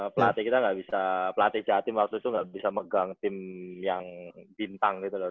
pelatih kita gak bisa pelatih jahat tim waktu itu gak bisa megang tim yang bintang gitu loh